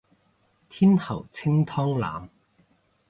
天后清湯腩